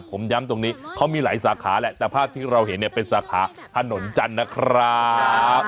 ผมย้ำตรงนี้เขามีหลายสาขาแหละแต่ภาพที่เราเห็นเนี่ยเป็นสาขาถนนจันทร์นะครับ